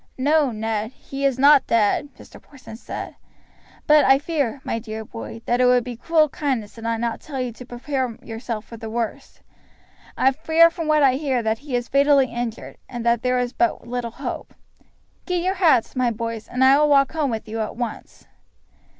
"No, Ned, he is not dead," Mr. Porson said; "but I fear, my dear boy, that it would be cruel kindness did I not tell you to prepare yourself for the worst. I fear from what I hear that he is fatally injured, and that there is but little hope. Get your hats, my boys, and I will walk home with you at once."